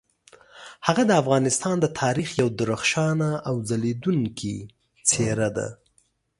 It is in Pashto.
هغه د افغانستان د تاریخ یوه درخشانه او ځلیدونکي څیره ده.